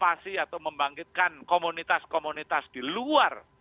nah ini partisipasi atau membangkitkan komunitas komunitas di luar